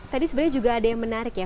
tadi sebenarnya juga ada yang menarik ya